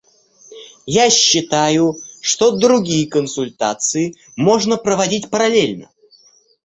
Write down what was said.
Я считаю, что другие консультации можно проводить параллельно.